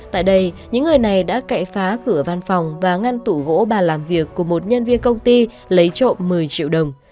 tại đây những người này đã cậy phá cửa văn phòng và ngăn tủ gỗ bà làm việc của một nhân viên công ty lấy trộm một mươi triệu đồng